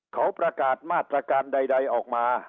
เขาประกาศมาตรการใดออกมา